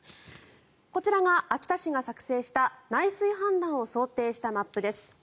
こちらが秋田市が作成した内水氾濫を想定したマップです。